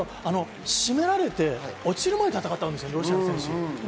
だけど絞められて落ちるまで戦ったんですよね、ロシアの選手。